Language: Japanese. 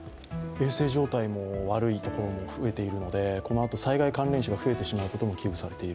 衛生状態が悪いところも増えているので、このあと、災害関連死が増えてしまうことも危惧されている。